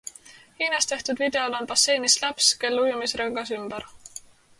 Hiinas tehtud videol on basseinis laps, kel ujumisrõngas ümber.